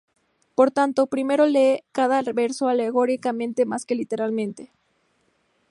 Por tanto, primero lee cada verso alegóricamente más que literalmente.